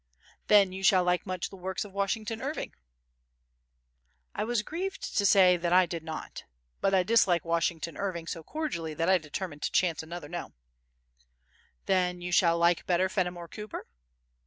"Then you shall like much the works of Washington Irving?" I was grieved to say that I did not; but I dislike Washington Irving so cordially that I determined to chance another "No." "Then you shall like better Fenimore Cooper?"